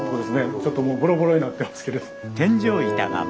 ちょっともうボロボロになってますけれど。